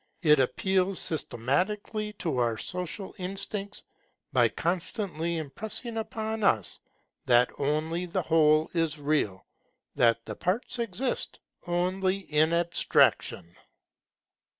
It appeals systematically to our social instincts, by constantly impressing upon us that only the Whole is real; that the Parts exist only in abstraction.